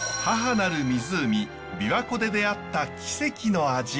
母なる湖びわ湖で出会った奇跡の味。